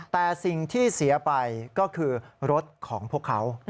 แต่สิ่งที่เสียไปก็คือรถของพวกเขา